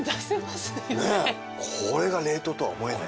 これが冷凍とは思えないね。